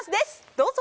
どうぞ。